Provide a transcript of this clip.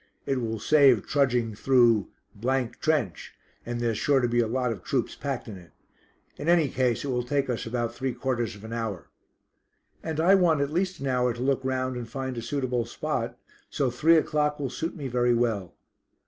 It will save trudging through ' Trench,' and there's sure to be a lot of troops packed in it. In any case it will take us about three quarters of an hour." "And I want at least an hour to look round and find a suitable spot; so three o'clock will suit me very well."